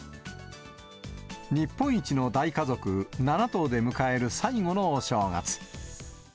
日本一の大家族、７頭で迎える最後のお正月。